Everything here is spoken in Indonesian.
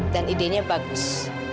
dan idenya bagus